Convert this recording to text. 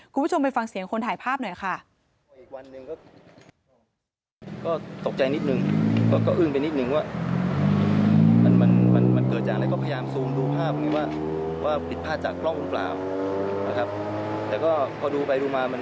คุณผู้ชมไปฟังเสียงคนถ่ายภาพหน่อยค่ะ